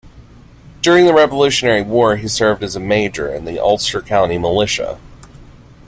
During the Revolutionary War he served as a Major in the Ulster County militia.